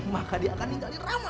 maka dia akan ninggalin rama